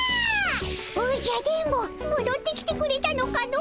おじゃ電ボもどってきてくれたのかの。